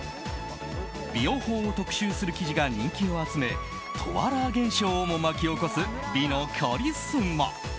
美容法を特集する記事が人気を集めトワラー現象をも巻き起こす美のカリスマ。